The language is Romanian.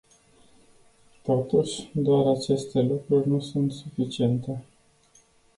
Totuși, doar aceste lucruri nu sunt suficiente.